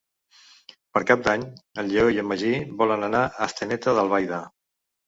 Per Cap d'Any en Lleó i en Magí volen anar a Atzeneta d'Albaida.